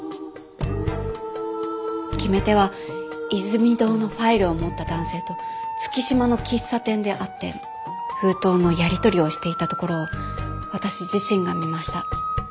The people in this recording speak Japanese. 決め手はイズミ堂のファイルを持った男性と月島の喫茶店で会って封筒のやり取りをしていたところを私自身が見ました。